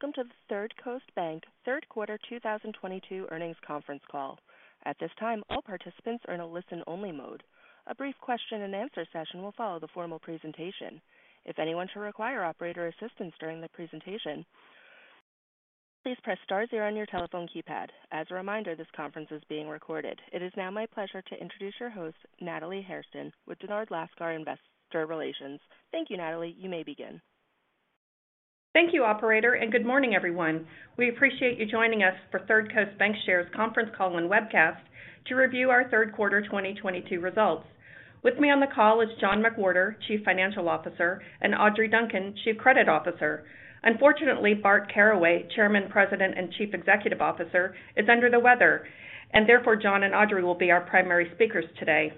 Good evening, and welcome to the Third Coast Bank Third Quarter 2022 Earnings Conference Call. At this time, all participants are in a listen-only mode. A brief question-and-answer session will follow the formal presentation. If anyone should require operator assistance during the presentation, please press star zero on your telephone keypad. As a reminder, this conference is being recorded. It is now my pleasure to introduce your host, Natalie Hairston with Dennard Lascar Investor Relations. Thank you, Natalie. You may begin. Thank you, operator, and good morning, everyone. We appreciate you joining us for Third Coast Bancshares' Conference Call and Webcast to review our third quarter 2022 results. With me on the call is John McWhorter, Chief Financial Officer, and Audrey Duncan, Chief Credit Officer. Unfortunately, Bart Caraway, Chairman, President, and Chief Executive Officer, is under the weather, and therefore, John and Audrey will be our primary speakers today.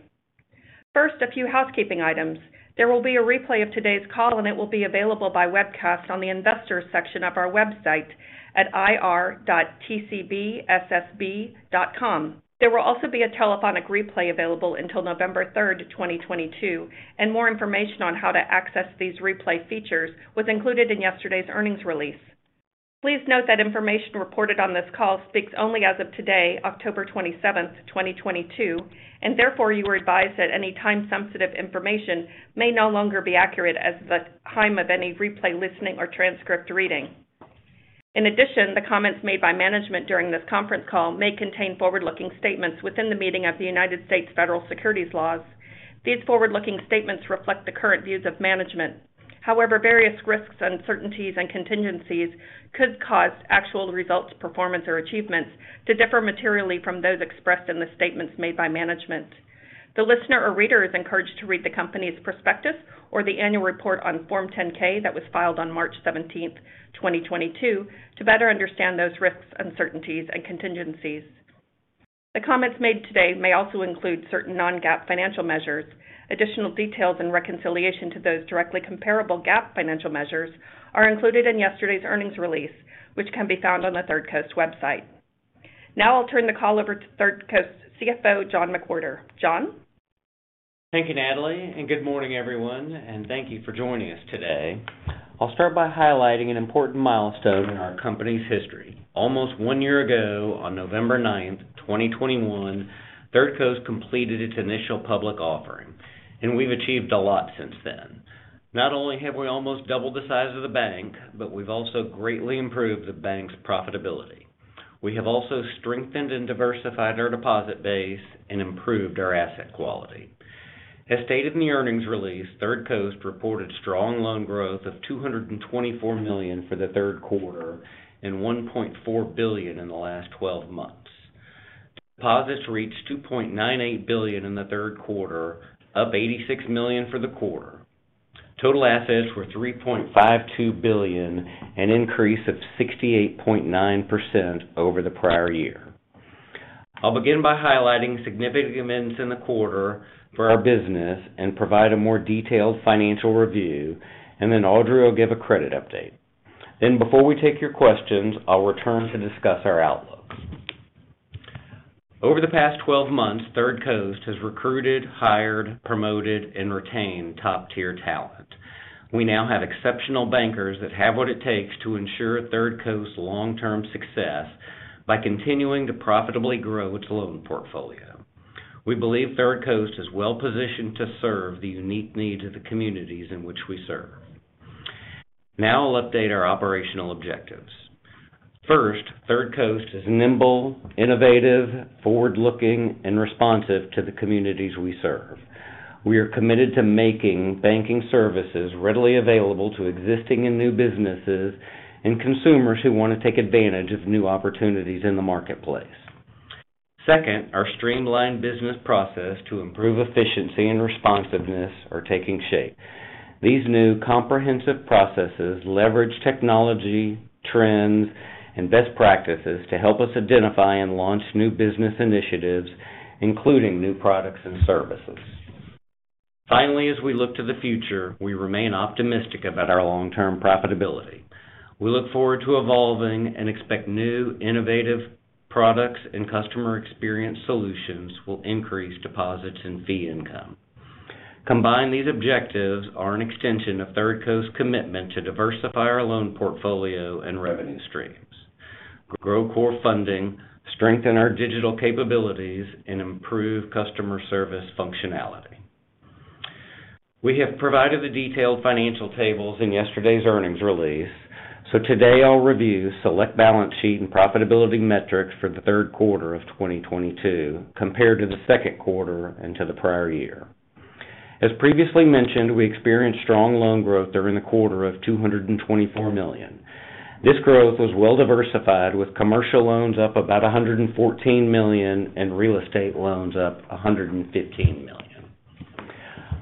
First, a few housekeeping items. There will be a replay of today's call, and it will be available by webcast on the investors section of our website at ir.thirdcoast.bank. There will also be a telephonic replay available until November 3rd, 2022, and more information on how to access these replay features was included in yesterday's earnings release. Please note that information reported on this call speaks only as of today, October 27th, 2022, and therefore you are advised that any time-sensitive information may no longer be accurate as of the time of any replay, listening, or transcript reading. In addition, the comments made by management during this conference call may contain forward-looking statements within the meaning of the United States federal securities laws. These forward-looking statements reflect the current views of management. However, various risks, uncertainties, and contingencies could cause actual results, performance, or achievements to differ materially from those expressed in the statements made by management. The listener or reader is encouraged to read the company's prospectus or the annual report on Form 10-K that was filed on March 17th, 2022, to better understand those risks, uncertainties, and contingencies. The comments made today may also include certain non-GAAP financial measures. Additional details and reconciliation to those directly comparable GAAP financial measures are included in yesterday's earnings release, which can be found on the Third Coast website. Now I'll turn the call over to Third Coast's CFO, John McWhorter. John? Thank you, Natalie, and good morning, everyone, and thank you for joining us today. I'll start by highlighting an important milestone in our company's history. Almost one year ago, on November 9th, 2021, Third Coast completed its initial public offering, and we've achieved a lot since then. Not only have we almost doubled the size of the bank, but we've also greatly improved the bank's profitability. We have also strengthened and diversified our deposit base and improved our asset quality. As stated in the earnings release, Third Coast reported strong loan growth of $224 million for the third quarter and $1.4 billion in the last twelve months. Deposits reached $2.98 billion in the third quarter, up $86 million for the quarter. Total assets were $3.52 billion, an increase of 68.9% over the prior year. I'll begin by highlighting significant events in the quarter for our business and provide a more detailed financial review, and then Audrey will give a credit update. Before we take your questions, I'll return to discuss our outlook. Over the past 12 months, Third Coast has recruited, hired, promoted, and retained top-tier talent. We now have exceptional bankers that have what it takes to ensure Third Coast's long-term success by continuing to profitably grow its loan portfolio. We believe Third Coast is well-positioned to serve the unique needs of the communities in which we serve. Now I'll update our operational objectives. First, Third Coast is nimble, innovative, forward-looking, and responsive to the communities we serve. We are committed to making banking services readily available to existing and new businesses and consumers who want to take advantage of new opportunities in the marketplace. Second, our streamlined business process to improve efficiency and responsiveness are taking shape. These new comprehensive processes leverage technology, trends, and best practices to help us identify and launch new business initiatives, including new products and services. Finally, as we look to the future, we remain optimistic about our long-term profitability. We look forward to evolving and expect new innovative products and customer experience solutions will increase deposits and fee income. Combined, these objectives are an extension of Third Coast's commitment to diversify our loan portfolio and revenue streams, grow core funding, strengthen our digital capabilities, and improve customer service functionality. We have provided the detailed financial tables in yesterday's earnings release, so today I'll review select balance sheet and profitability metrics for the third quarter of 2022 compared to the second quarter and to the prior year. As previously mentioned, we experienced strong loan growth during the quarter of $224 million. This growth was well diversified, with commercial loans up about $114 million and real estate loans up $115 million.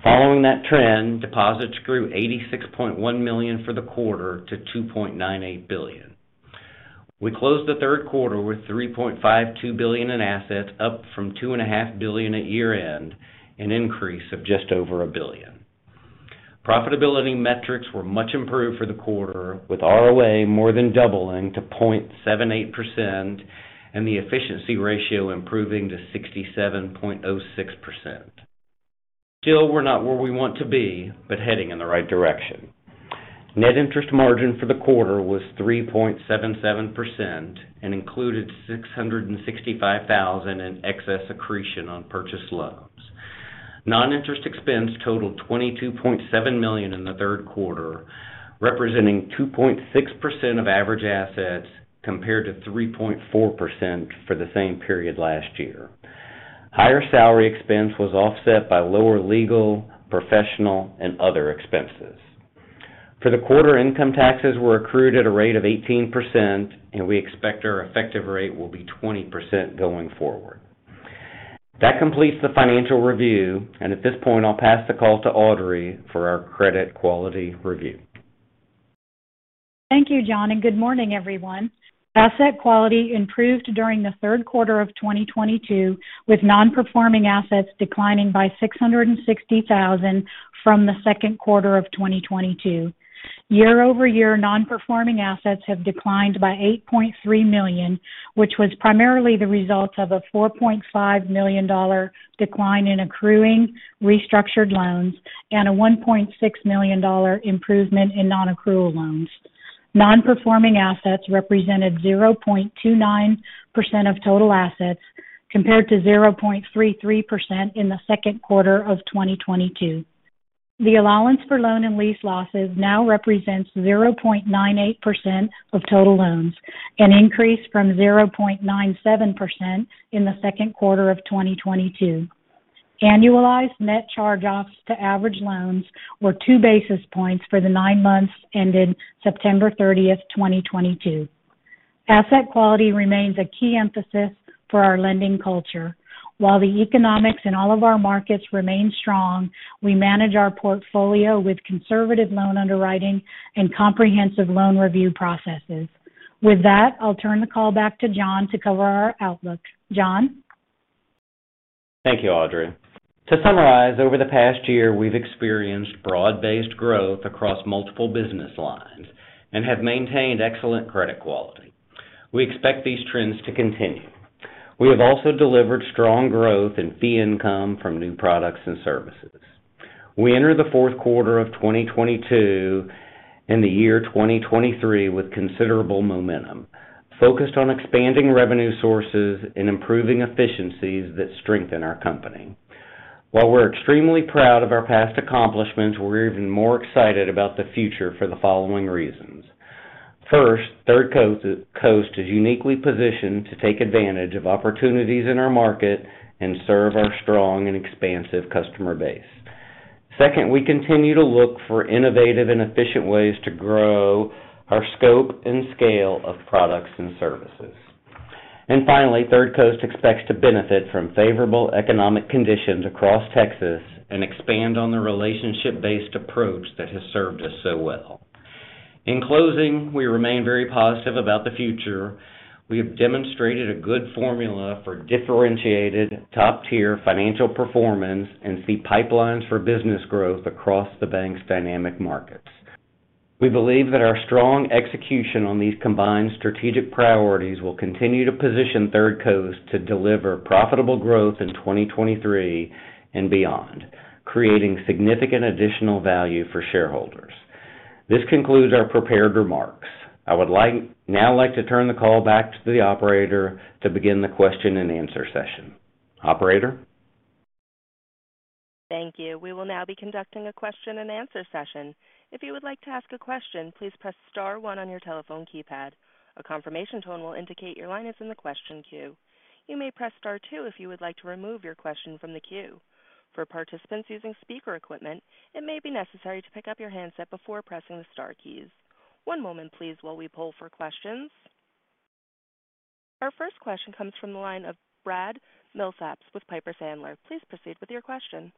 Following that trend, deposits grew $86.1 million for the quarter to $2.98 billion. We closed the third quarter with $3.52 billion in assets, up from $2.5 billion at year-end, an increase of just over $1 billion. Profitability metrics were much improved for the quarter, with ROA more than doubling to 0.78% and the efficiency ratio improving to 67.06%. Still, we're not where we want to be, but heading in the right direction. Net interest margin for the quarter was 3.77% and included $665,000 in excess accretion on purchase loans. Non-interest expense totaled $22.7 million in the third quarter, representing 2.6% of average assets compared to 3.4% for the same period last year. Higher salary expense was offset by lower legal, professional, and other expenses. For the quarter, income taxes were accrued at a rate of 18%, and we expect our effective rate will be 20% going forward. That completes the financial review, and at this point, I'll pass the call to Audrey for our credit quality review. Thank you, John, and good morning, everyone. Asset quality improved during the third quarter of 2022, with non-performing assets declining by $660,000 from the second quarter of 2022. Year-over-year non-performing assets have declined by $8.3 million, which was primarily the result of a $4.5 million decline in accruing restructured loans and a $1.6 million improvement in non-accrual loans. Non-performing assets represented 0.29% of total assets, compared to 0.33% in the second quarter of 2022. The allowance for loan and lease losses now represents 0.98% of total loans, an increase from 0.97% in the second quarter of 2022. Annualized net charge-offs to average loans were two basis points for the nine months ended September 30th, 2022. Asset quality remains a key emphasis for our lending culture. While the economics in all of our markets remain strong, we manage our portfolio with conservative loan underwriting and comprehensive loan review processes. With that, I'll turn the call back to John to cover our outlook. John? Thank you, Audrey. To summarize, over the past year, we've experienced broad-based growth across multiple business lines and have maintained excellent credit quality. We expect these trends to continue. We have also delivered strong growth in fee income from new products and services. We enter the fourth quarter of 2022 and the year 2023 with considerable momentum, focused on expanding revenue sources and improving efficiencies that strengthen our company. While we're extremely proud of our past accomplishments, we're even more excited about the future for the following reasons. First, Third Coast is uniquely positioned to take advantage of opportunities in our market and serve our strong and expansive customer base. Second, we continue to look for innovative and efficient ways to grow our scope and scale of products and services. Finally, Third Coast expects to benefit from favorable economic conditions across Texas and expand on the relationship-based approach that has served us so well. In closing, we remain very positive about the future. We have demonstrated a good formula for differentiated top-tier financial performance and see pipelines for business growth across the bank's dynamic markets. We believe that our strong execution on these combined strategic priorities will continue to position Third Coast to deliver profitable growth in 2023 and beyond, creating significant additional value for shareholders. This concludes our prepared remarks. I would now like to turn the call back to the operator to begin the question-and-answer session. Operator? Thank you. We will now be conducting a question-and-answer session. If you would like to ask a question, please press star one on your telephone keypad. A confirmation tone will indicate your line is in the question queue. You may press star two if you would like to remove your question from the queue. For participants using speaker equipment, it may be necessary to pick up your handset before pressing the star keys. One moment, please, while we poll for questions. Our first question comes from the line of Brad Milsaps with Piper Sandler. Please proceed with your question.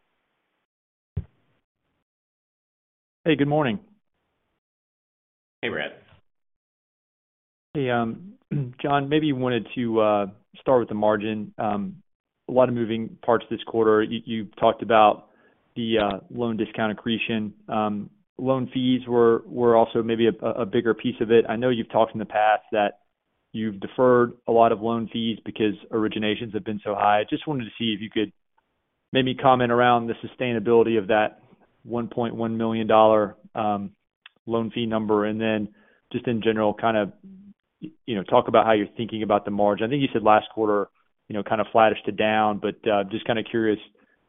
Hey, good morning. Hey, Brad. Hey, John, maybe you wanted to start with the margin. A lot of moving parts this quarter. You talked about the loan discount accretion. Loan fees were also maybe a bigger piece of it. I know you've talked in the past that you've deferred a lot of loan fees because originations have been so high. I just wanted to see if you could maybe comment around the sustainability of that $1.1 million loan fee number, and then just in general, kind of, you know, talk about how you're thinking about the margin. I think you said last quarter, you know, kind of flattish to down, but just kind of curious,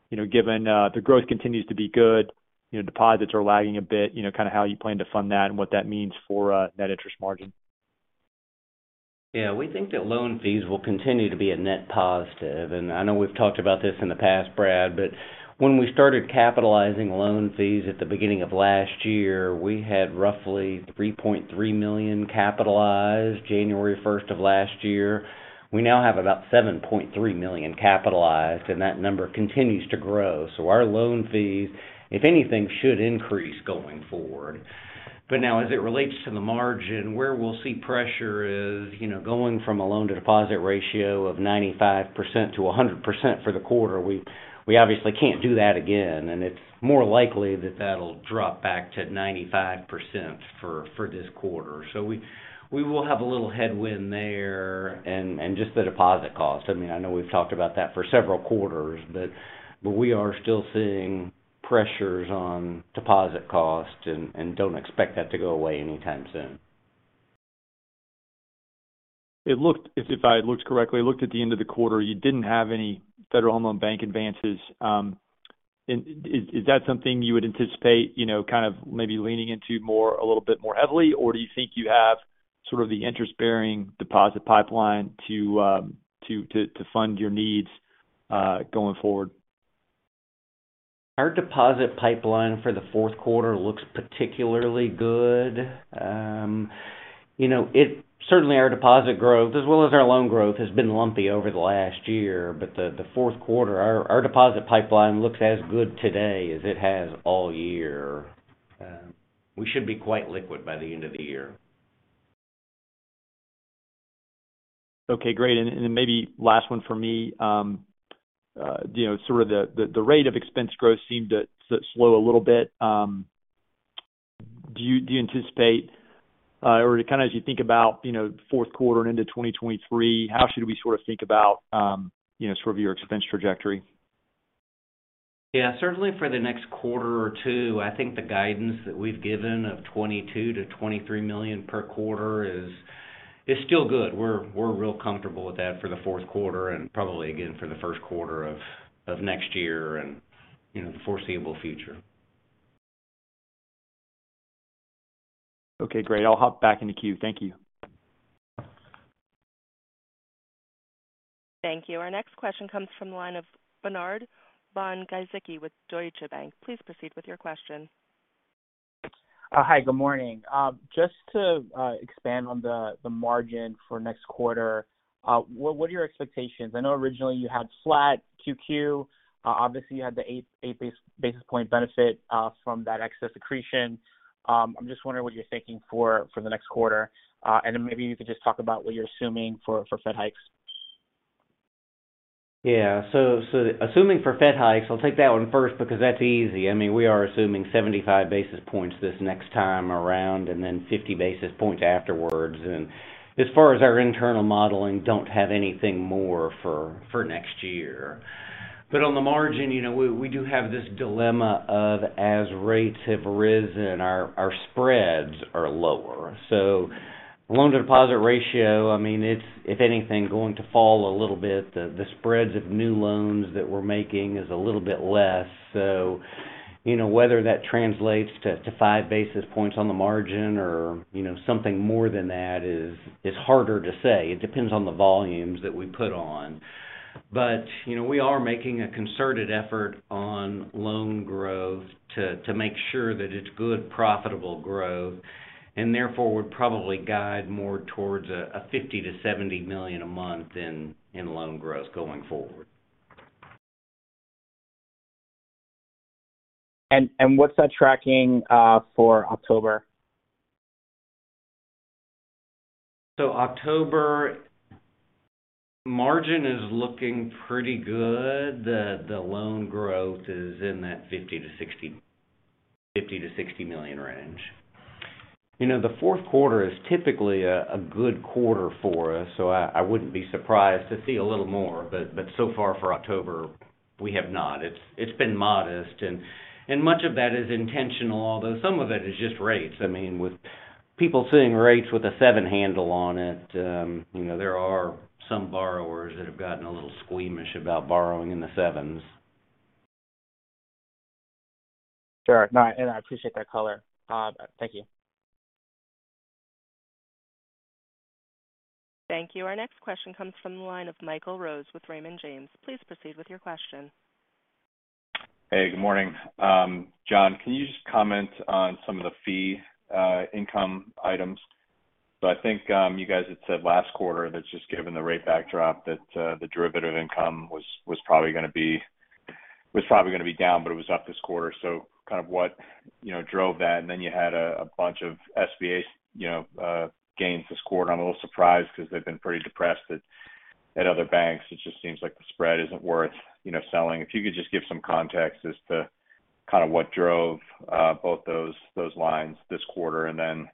you know, given the growth continues to be good, you know, deposits are lagging a bit, you know, kind of how you plan to fund that and what that means for net interest margin. Yeah, we think that loan fees will continue to be a net positive. I know we've talked about this in the past, Brad, but when we started capitalizing loan fees at the beginning of last year, we had roughly $3.3 million capitalized January first of last year. We now have about $7.3 million capitalized, and that number continues to grow. Our loan fees, if anything, should increase going forward. Now as it relates to the margin, where we'll see pressure is, you know, going from a loan-to-deposit ratio of 95%-100% for the quarter. We obviously can't do that again, and it's more likely that that'll drop back to 95% for this quarter. We will have a little headwind there and just the deposit cost. I mean, I know we've talked about that for several quarters, but we are still seeing pressures on deposit costs and don't expect that to go away anytime soon. If I looked correctly, it looked at the end of the quarter, you didn't have any Federal Home Loan Bank advances. Is that something you would anticipate, you know, kind of maybe leaning into more, a little bit more heavily? Or do you think you have sort of the interest-bearing deposit pipeline to fund your needs going forward? Our deposit pipeline for the fourth quarter looks particularly good. You know, certainly our deposit growth, as well as our loan growth, has been lumpy over the last year, but the fourth quarter, our deposit pipeline looks as good today as it has all year. We should be quite liquid by the end of the year. Okay, great. Maybe last one for me. You know, sort of the rate of expense growth seemed to slow a little bit. Do you anticipate, or kind of as you think about, you know, fourth quarter and into 2023, how should we sort of think about, you know, sort of your expense trajectory? Yeah. Certainly for the next quarter or two, I think the guidance that we've given of $22 million-$23 million per quarter is still good. We're real comfortable with that for the fourth quarter and probably again for the first quarter of next year and, you know, the foreseeable future. Okay, great. I'll hop back in the queue. Thank you. Thank you. Our next question comes from the line of Bernard von-Gizycki with Deutsche Bank. Please proceed with your question. Hi, good morning. Just to expand on the margin for next quarter, what are your expectations? I know originally you had flat QQ. Obviously, you had the eight basis point benefit from that excess accretion. I'm just wondering what you're thinking for the next quarter, and then maybe you could just talk about what you're assuming for Fed hikes. Assuming for Fed hikes, I'll take that one first because that's easy. I mean, we are assuming 75 basis points this next time around and then 50 basis points afterwards. As far as our internal modeling, don't have anything more for next year. On the margin, you know, we do have this dilemma of, as rates have risen, our spreads are lower. So loan-to-deposit ratio, I mean, it's if anything, going to fall a little bit. The spreads of new loans that we're making is a little bit less. So, you know, whether that translates to five basis points on the margin or, you know, something more than that is harder to say. It depends on the volumes that we put on. But, you know, we are making a concerted effort on loan growth to make sure that it's good, profitable growth, and therefore would probably guide more towards $50 million-$70 million a month in loan growth going forward. What's that tracking for October? October margin is looking pretty good. The loan growth is in that $50 million-$60 million range. You know, the fourth quarter is typically a good quarter for us, so I wouldn't be surprised to see a little more. So far for October, we have not. It's been modest and much of that is intentional, although some of it is just rates. I mean, with people seeing rates with a seven handle on it, you know, there are some borrowers that have gotten a little squeamish about borrowing in the sevens. Sure. No, and I appreciate that color. Thank you. Thank you. Our next question comes from the line of Michael Rose with Raymond James. Please proceed with your question. Hey, good morning. John, can you just comment on some of the fee income items? I think you guys had said last quarter that just given the rate backdrop that the derivative income was probably gonna be down, but it was up this quarter. Kind of what, you know, drove that. Then you had a bunch of SBA, you know, gains this quarter, and I'm a little surprised because they've been pretty depressed at other banks. It just seems like the spread isn't worth, you know, selling. If you could just give some context as to kind of what drove both those lines this quarter, and then,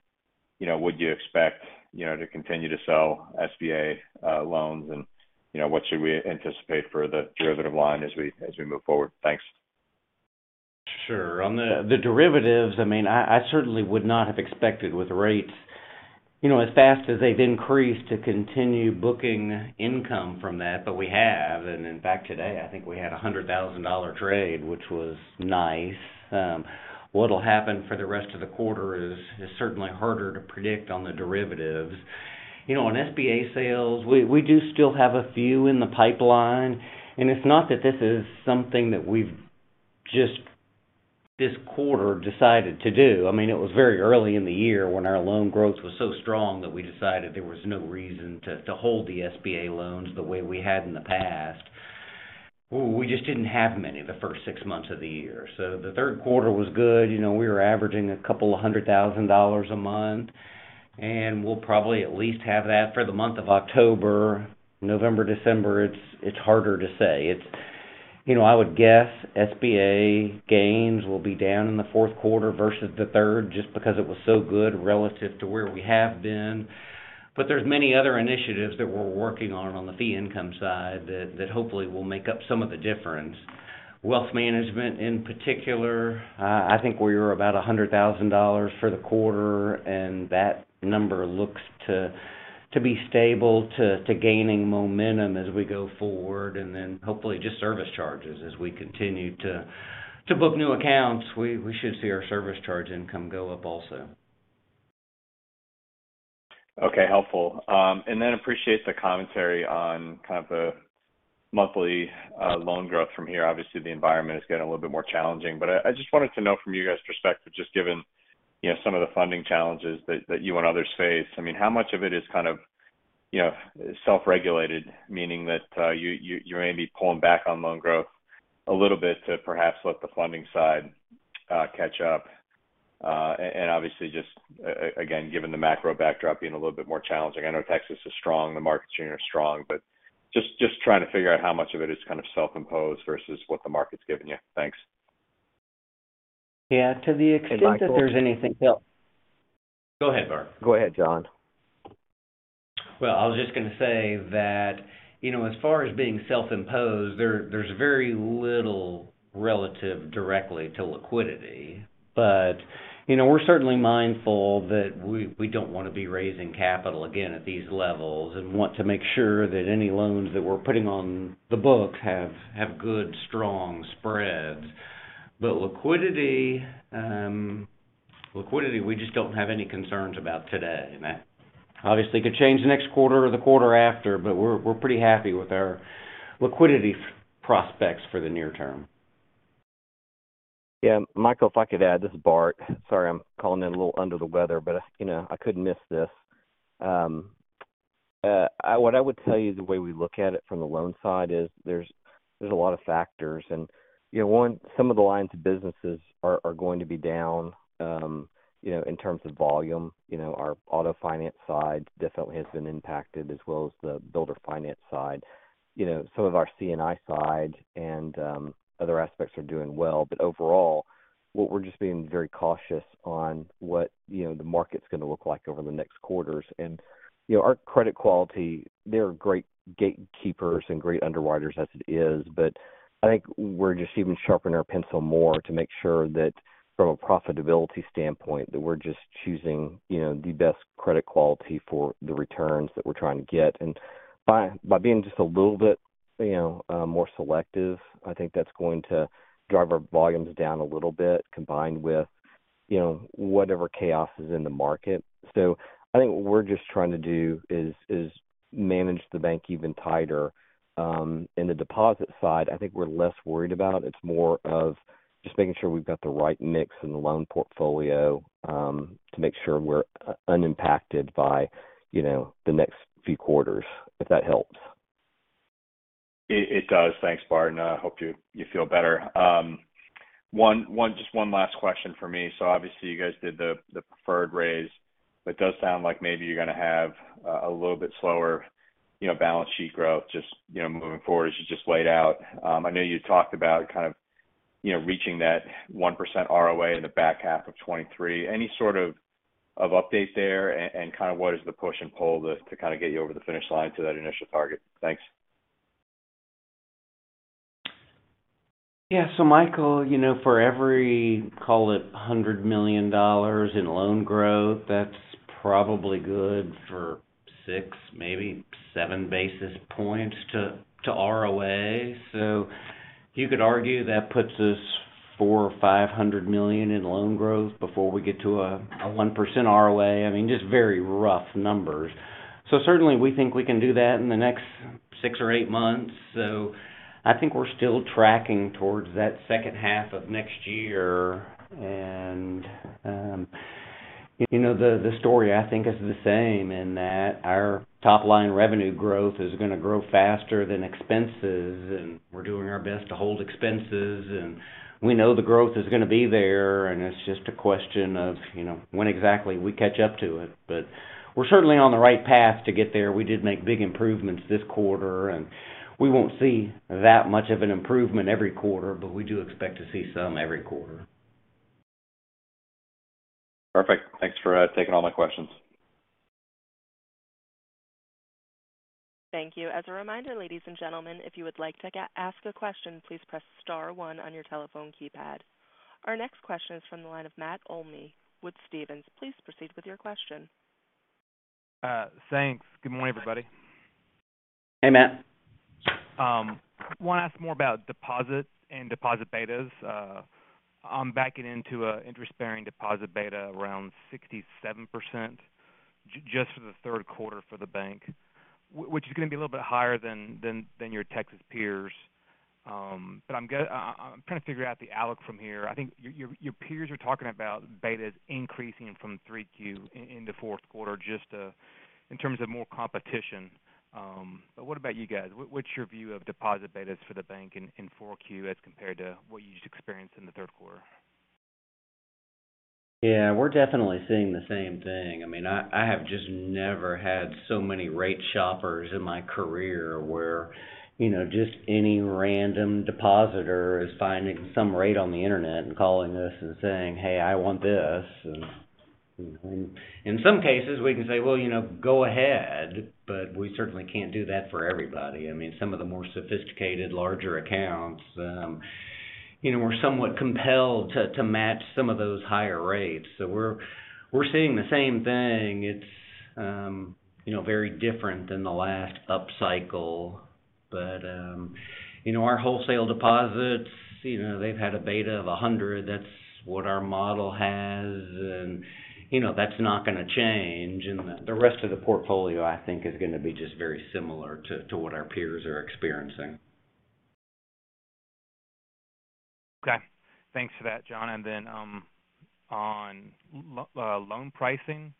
you know, would you expect, you know, to continue to sell SBA loans and, you know, what should we anticipate for the derivative line as we move forward? Thanks. Sure. On the derivatives, I mean, I certainly would not have expected with rates, you know, as fast as they've increased to continue booking income from that, but we have. In fact, today, I think we had a $100,000 trade, which was nice. What'll happen for the rest of the quarter is certainly harder to predict on the derivatives. You know, on SBA sales, we do still have a few in the pipeline. It's not that this is something that we've just this quarter decided to do. I mean, it was very early in the year when our loan growth was so strong that we decided there was no reason to hold the SBA loans the way we had in the past. We just didn't have many the first six months of the year. The third quarter was good. You know, we were averaging a couple hundred thousand dollars a month, and we'll probably at least have that for the month of October. November, December, it's harder to say. It's you know, I would guess SBA gains will be down in the fourth quarter versus the third, just because it was so good relative to where we have been. There's many other initiatives that we're working on the fee income side that hopefully will make up some of the difference. Wealth management in particular, I think we were about $100,000 for the quarter, and that number looks to be stable to gaining momentum as we go forward. Then hopefully just service charges as we continue to book new accounts, we should see our service charge income go up also. Okay, helpful. Appreciate the commentary on kind of the monthly loan growth from here. Obviously, the environment is getting a little bit more challenging. I just wanted to know from you guys' perspective, just given, you know, some of the funding challenges that you and others face, I mean, how much of it is kind of, you know, self-regulated, meaning that you may be pulling back on loan growth a little bit to perhaps let the funding side catch up. Obviously just again, given the macro backdrop being a little bit more challenging. I know Texas is strong, the markets here are strong, but just trying to figure out how much of it is kind of self-imposed versus what the market's giving you. Thanks. Yeah. To the extent that there's anything. Hey, Michael. Go ahead, Bart. Go ahead, John. Well, I was just gonna say that, you know, as far as being self-imposed, there's very little relevant directly to liquidity. You know, we're certainly mindful that we don't wanna be raising capital again at these levels and want to make sure that any loans that we're putting on the books have good, strong spreads. Liquidity, we just don't have any concerns about today. That obviously could change the next quarter or the quarter after, but we're pretty happy with our liquidity prospects for the near term. Yeah. Michael, if I could add, this is Bart. Sorry, I'm calling in a little under the weather, but, you know, I couldn't miss this. What I would tell you the way we look at it from the loan side is there's a lot of factors. You know, one, some of the lines of businesses are going to be down, you know, in terms of volume. You know, our auto finance side definitely has been impacted as well as the builder finance side. You know, some of our C&I side and other aspects are doing well. Overall, we're just being very cautious on what, you know, the market's gonna look like over the next quarters. You know, our credit quality, they're great gatekeepers and great underwriters as it is, but I think we're just even sharpening our pencil more to make sure that from a profitability standpoint, that we're just choosing, you know, the best credit quality for the returns that we're trying to get. By being just a little bit, you know, more selective, I think that's going to drive our volumes down a little bit, combined with, you know, whatever chaos is in the market. I think what we're just trying to do is manage the bank even tighter. In the deposit side, I think we're less worried about. It's more of just making sure we've got the right mix in the loan portfolio, to make sure we're unimpacted by, you know, the next few quarters, if that helps. It does. Thanks, Bart. I hope you feel better. Just one last question from me. Obviously you guys did the preferred raise, but it does sound like maybe you're gonna have a little bit slower, you know, balance sheet growth just, you know, moving forward as you just laid out. I know you talked about kind of, you know, reaching that 1% ROA in the back half of 2023. Any sort of update there and kind of what is the push and pull to kind of get you over the finish line to that initial target? Thanks. Yeah. Michael, you know, for every, call it, $100 million in loan growth, that's probably good for six, maybe seven basis points to ROA. You could argue that puts us $400-$500 million in loan growth before we get to a 1% ROA. I mean, just very rough numbers. Certainly, we think we can do that in the next 6 or 8 months. I think we're still tracking towards that second half of next year. You know, the story I think is the same in that our top line revenue growth is gonna grow faster than expenses, and we're doing our best to hold expenses, and we know the growth is gonna be there, and it's just a question of, you know, when exactly we catch up to it. We're certainly on the right path to get there. We did make big improvements this quarter, and we won't see that much of an improvement every quarter, but we do expect to see some every quarter. Perfect. Thanks for taking all my questions. Thank you. As a reminder, ladies and gentlemen, if you would like to ask a question, please press star one on your telephone keypad. Our next question is from the line of Matt Olney with Stephens. Please proceed with your question. Thanks. Good morning, everybody. Hey, Matt. Wanna ask more about deposits and deposit betas. I'm backing into a interest-bearing deposit beta around 67% just for the third quarter for the bank, which is gonna be a little bit higher than your Texas peers. I'm trying to figure out the outlook from here. I think your peers are talking about betas increasing from 3Q into fourth quarter just in terms of more competition. What about you guys? What's your view of deposit betas for the bank in 4Q as compared to what you just experienced in the third quarter? Yeah. We're definitely seeing the same thing. I mean, I have just never had so many rate shoppers in my career where, you know, just any random depositor is finding some rate on the internet and calling us and saying, "Hey, I want this." In some cases, we can say, well, you know, go ahead, but we certainly can't do that for everybody. I mean, some of the more sophisticated, larger accounts, you know, we're somewhat compelled to match some of those higher rates. We're seeing the same thing. It's, you know, very different than the last upcycle. Our wholesale deposits, you know, they've had a beta of 100. That's what our model has. You know, that's not gonna change. The rest of the portfolio, I think, is gonna be just very similar to what our peers are experiencing. Okay. Thanks for that, John. On loan pricing,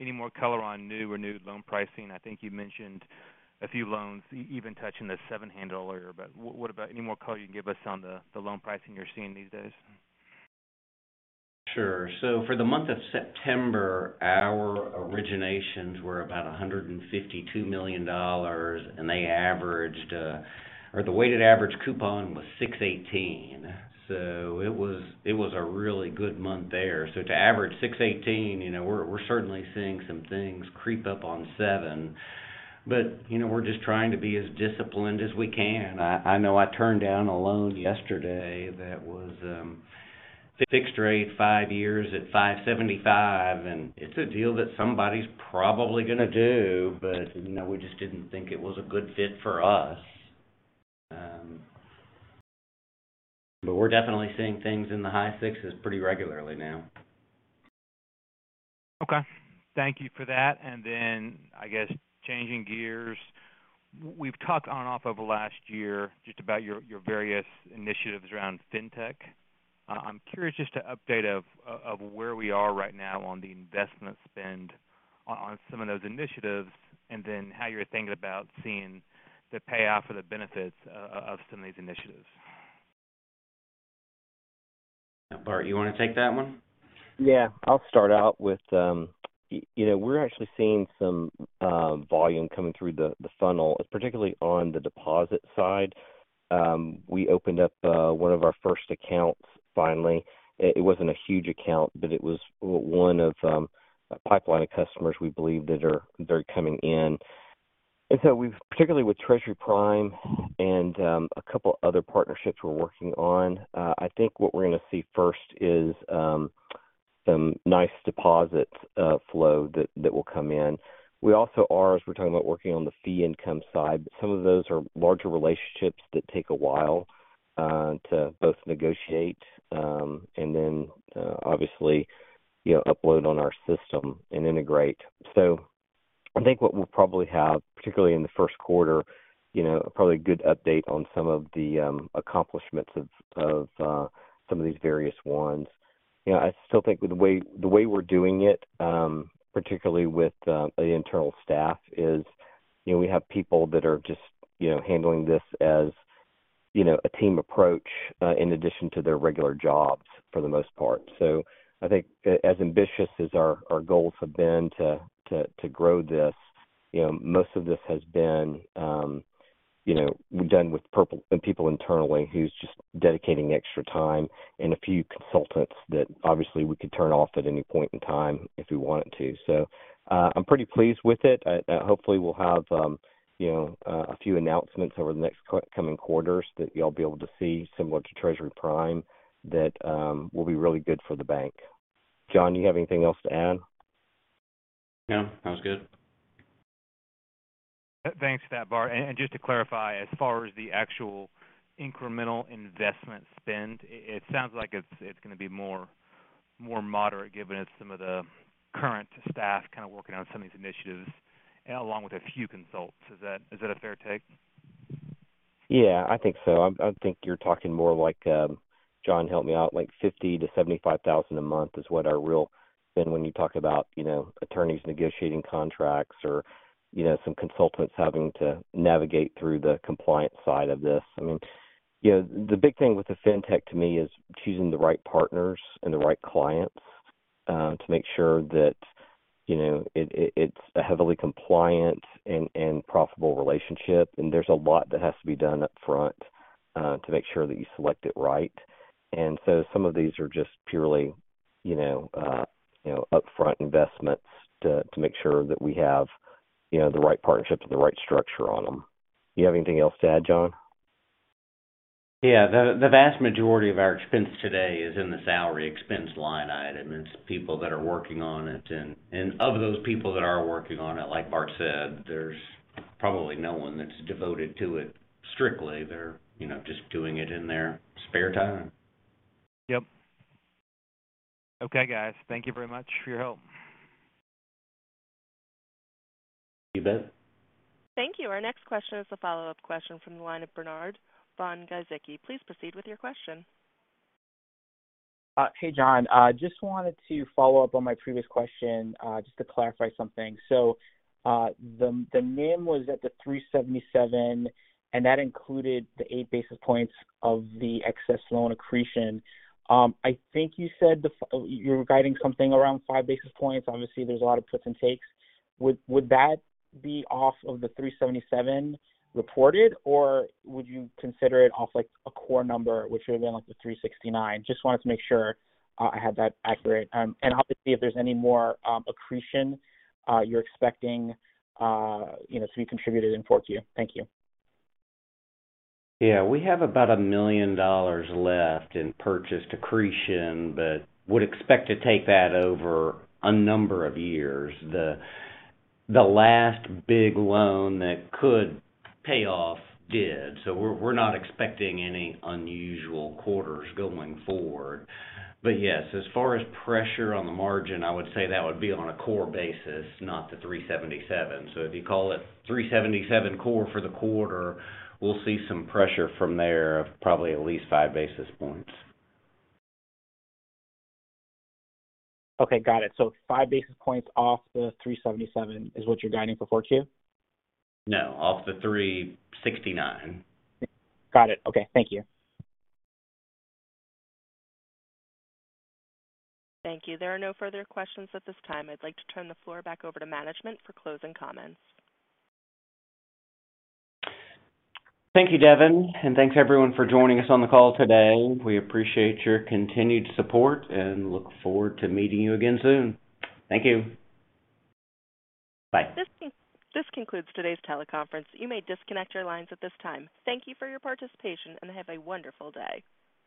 any more color on new or renewed loan pricing? I think you mentioned a few loans, even touching the seven handle earlier. What about any more color you can give us on the loan pricing you're seeing these days? Sure. For the month of September, our originations were about $152 million, and they averaged, or the weighted average coupon was 6.18%. It was a really good month there. To average 6.18%, you know, we're certainly seeing some things creep up on 7%. You know, we're just trying to be as disciplined as we can. I know I turned down a loan yesterday that was, fixed rate five years at 5.75%, and it's a deal that somebody's probably gonna do. You know, we just didn't think it was a good fit for us. We're definitely seeing things in the high 6s pretty regularly now. Okay. Thank you for that. Then I guess changing gears, we've talked on/off over the last year just about your various initiatives around fintech. I'm curious just an update of where we are right now on the investment spend on some of those initiatives and then how you're thinking about seeing the payoff or the benefits of some of these initiatives. Bart, you wanna take that one? Yeah. I'll start out with, you know, we're actually seeing some volume coming through the funnel, particularly on the deposit side. We opened up one of our first accounts finally. It wasn't a huge account, but it was one of a pipeline of customers we believe that are, they're coming in. We've particularly with Treasury Prime and a couple other partnerships we're working on. I think what we're gonna see first is some nice deposit flow that will come in. We also are, as we're talking about working on the fee income side, some of those are larger relationships that take a while to both negotiate and then obviously, you know, upload on our system and integrate. I think what we'll probably have, particularly in the first quarter, you know, probably a good update on some of the accomplishments of some of these various ones. You know, I still think the way we're doing it, particularly with the internal staff is, you know, we have people that are just, you know, handling this as, you know, a team approach, in addition to their regular jobs for the most part. I think as ambitious as our goals have been to grow this, you know, most of this has been done with people internally who's just dedicating extra time and a few consultants that obviously we could turn off at any point in time if we wanted to. I'm pretty pleased with it. Hopefully, we'll have, you know, a few announcements over the next coming quarters that y'all be able to see similar to Treasury Prime that will be really good for the bank. John, do you have anything else to add? No, that was good. Thanks for that, Bart. Just to clarify, as far as the actual incremental investment spend, it sounds like it's gonna be more moderate given it's some of the current staff kind of working on some of these initiatives along with a few consults. Is that a fair take? Yeah, I think so. I think you're talking more like, John help me out, like $50-$75,000 a month. When you talk about, you know, attorneys negotiating contracts or, you know, some consultants having to navigate through the compliance side of this. I mean, you know, the big thing with the fintech to me is choosing the right partners and the right clients, to make sure that, you know, it's a heavily compliant and profitable relationship, and there's a lot that has to be done up front, to make sure that you select it right. Some of these are just purely, you know, you know, upfront investments to make sure that we have, you know, the right partnerships and the right structure on them. Do you have anything else to add, John? Yeah. The vast majority of our expense today is in the salary expense line item. It's people that are working on it. Of those people that are working on it, like Bart said, there's probably no one that's devoted to it strictly. They're, you know, just doing it in their spare time. Yep. Okay, guys. Thank you very much for your help. You bet. Thank you. Our next question is a follow-up question from the line of Bernard von-Gizycki. Please proceed with your question. Hey, John. I just wanted to follow up on my previous question, just to clarify something. The NIM was at 377, and that included the eight basis points of the excess loan accretion. I think you said you're guiding something around five basis points. Obviously, there's a lot of puts and takes. Would that be off of the 377 reported, or would you consider it off like a core number, which would have been like the 369? Just wanted to make sure I had that accurate. Obviously if there's any more accretion you're expecting, you know, to be contributed in 4Q. Thank you. Yeah. We have about $1 million left in purchase accretion but would expect to take that over a number of years. The last big loan that could pay off did, so we're not expecting any unusual quarters going forward. Yes, as far as pressure on the margin, I would say that would be on a core basis, not the 377. If you call it 377 core for the quarter, we'll see some pressure from there of probably at least five basis points. Okay, got it. Five basis points off the 377 is what you're guiding for 4Q? No, off the 369. Got it. Okay, thank you. Thank you. There are no further questions at this time. I'd like to turn the floor back over to management for closing comments. Thank you, Devin. Thanks everyone for joining us on the call today. We appreciate your continued support and look forward to meeting you again soon. Thank you. Bye. This concludes today's teleconference. You may disconnect your lines at this time. Thank you for your participation, and have a wonderful day.